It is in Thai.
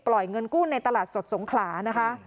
เงินกู้ในตลาดสดสงขลานะคะ